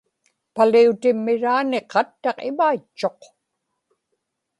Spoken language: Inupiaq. paliutimmiraani qattaq imaitchuq